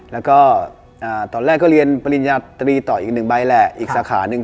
แล้วก็ตอนแรกก็เรียนปริญญาตรีต่ออีกหนึ่งใบแหละอีกสาขาหนึ่ง